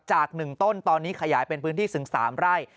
จากหนึ่งต้นตอนนี้ขยายเป็นพื้นที่สึงสามราย